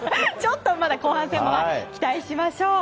後半戦も期待しましょう。